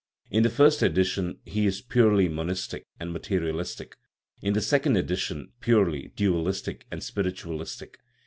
In the first edition he is purely monistic and materialistic, in the second edition purely dualistic and spiritualistic.